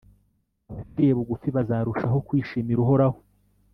Abaciye bugufi bazarushaho kwishimira Uhoraho,